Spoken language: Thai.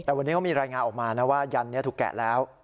แต่วันนี้เขามีรายงานออกมานะว่ายันนี้ถูกแกะแล้ว